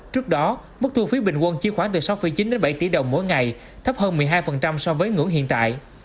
trước đó mức thu phí bình quân chi khoảng từ sáu chín đến bảy tỷ đồng mỗi ngày thấp hơn một mươi hai so với ngưỡng hiện tại